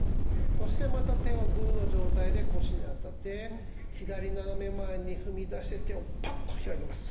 そしてまた手をグーの状態で腰に当てて左斜め前に踏み出して手をパッと開きます。